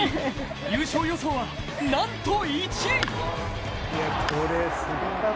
優勝予想はなんと１位。